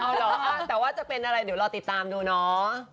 เอาเหรอแต่ว่าจะเป็นอะไรเดี๋ยวรอติดตามดูเนาะ